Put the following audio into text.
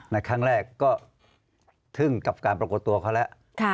ในครั้งแรกก็ทึ่งกับการปรากฏตัวเขาแล้ว